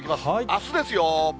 あすですよ。